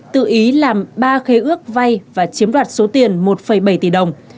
tự ý làm ba khế ước vay và chiếm đoạt số tiền một bảy tỷ đồng